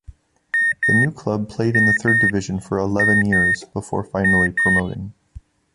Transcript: The new club played in the third division for eleven years, before finally promoting.